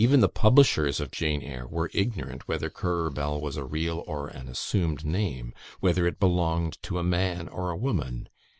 Even the publishers of "Jane Eyre" were ignorant whether Currer Bell was a real or an assumed name, whether it belonged to a man or a woman.